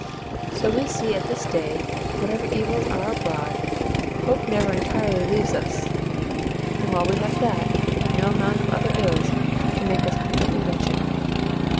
So we see at this day, whatever evils are abroad, hope never entirely leaves us; and while we have THAT, no amount of other ills can make us completely wretched.